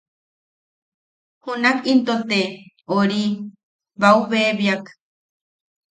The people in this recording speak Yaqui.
Junak into te... ori... bau bebiak.